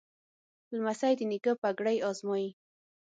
لمسی د نیکه پګړۍ ازمایي.